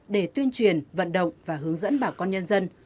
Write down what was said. để tuyên truyền vận động và hướng dẫn bà con nhân dân